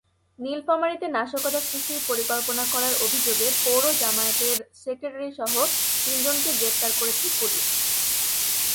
নীলফামারীতে নাশকতা সৃষ্টির পরিকল্পনা করার অভিযোগে পৌর জামায়াতের সেক্রেটারিসহ তিনজনকে গ্রেপ্তার করেছে পুলিশ।